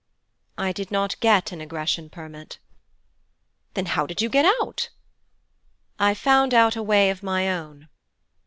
'I did not get an Egression permit.' 'Then how did you get out?' 'I found out a way of my own.'